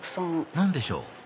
何でしょう？